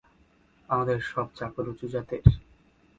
আমাদের সব চাকর উঁচু জাতের।